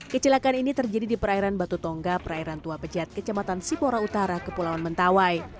kecelakaan ini terjadi di perairan batu tongga perairan tua pejat kecamatan sipora utara kepulauan mentawai